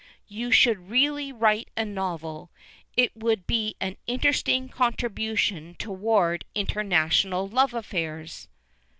You should really write a novel. It would be an interesting contribution toward international love affairs."